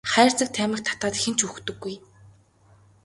Хайрцаг тамхи татаад хэн ч үхдэггүй.